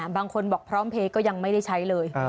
บางคนบอกพร้อมเพลย์ก็ยังไม่ได้ใช้เลย